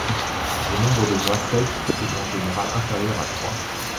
Le nombre de mois secs est en général inférieur à trois.